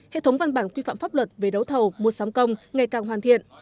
hệ thống văn bản quy phạm pháp luật về đấu thầu mua sắm công ngày càng hoàn thiện